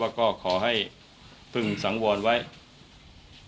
จากนั้นก็จะนำมาพักไว้ที่ห้องพลาสติกไปวางเอาไว้ตามจุดนัดต่าง